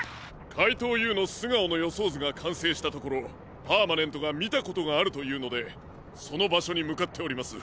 かいとうＵのすがおのよそうずがかんせいしたところパーマネントがみたことがあるというのでそのばしょにむかっております。